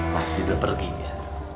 waktu sudah pergi ya